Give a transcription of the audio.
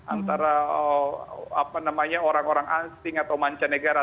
antara orang orang asing atau mancanegara